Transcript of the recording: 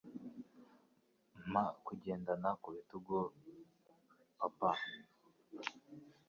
Mpa kugendana ku bitugu, Papa.